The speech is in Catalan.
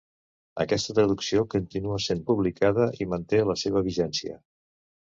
Aquesta traducció continua sent publicada i manté la seva vigència.